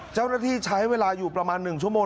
เจ้าหน้าที่ใช้เวลาอยู่ประมาณ๑ชั่วโมง